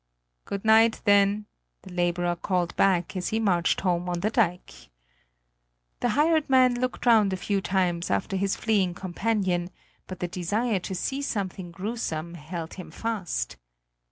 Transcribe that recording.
"Good night, then," the laborer called back, as he marched home on the dike. The hired man looked round a few times after his fleeing companion; but the desire to see something gruesome held him fast.